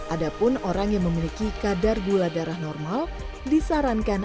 adapun orang yang memiliki kadar gula darah normal disarankan